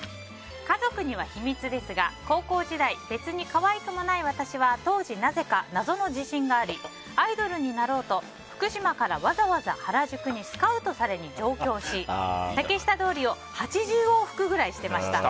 家族には秘密ですが高校時代、別に可愛くもない私は当時、なぜか謎の自信がありアイドルになろうと福島からわざわざ原宿にスカウトされに上京し、竹下通りを８０往復ぐらいしてました。